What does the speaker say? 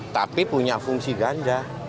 tapi punya fungsi ganda